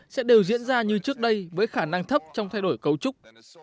sẽ đều diễn ra như trước đây với khả năng thấp trong thay đổi cấu trúc